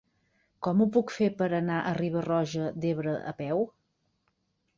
Com ho puc fer per anar a Riba-roja d'Ebre a peu?